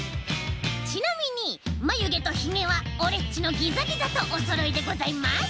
ちなみにまゆげとひげはオレっちのギザギザとおそろいでございます。